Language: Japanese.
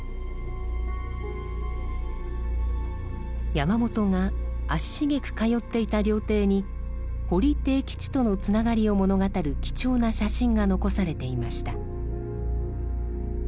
山本が足しげく通っていた料亭に堀悌吉とのつながりを物語る貴重な写真が残されていました。